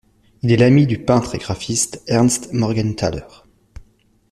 Il est l'ami du peintre et graphiste Ernst Morgenthaler.